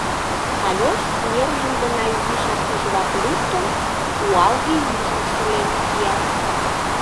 Альош, нержым гына изишак тӱжвак луктын, юалге южым шӱлен кия.